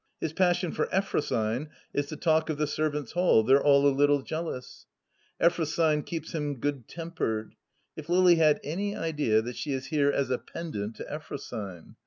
His passion for Effrosyne is the talk of the servants' hall : they're all a little jealous. Eftrosyne keeps him good tempered. If Lily had any idea that she is here as a pendant to Effro syne